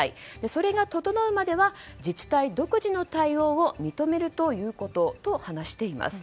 それが整うまでは自治体独自の対応を認めるということと話しています。